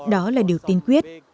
đó là điều tin quyết